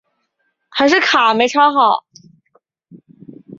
缅甸童军总会为缅甸的国家童军组织。